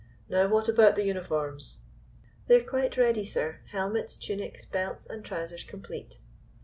Now what about the uniforms?" "They're quite ready, sir, helmets, tunics, belts and trousers complete."